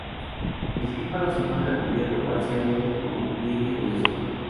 El tímpano se encuentra cubierto parcialmente por un pliegue grueso.